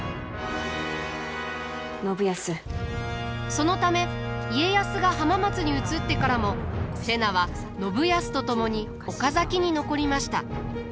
そのため家康が浜松に移ってからも瀬名は信康と共に岡崎に残りました。